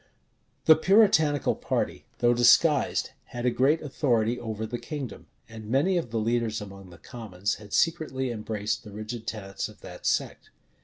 The Puritanical party, though disguised, had a great authority over the kingdom; and many of the leaders among the commons had secretly embraced the rigid tenets of that sect.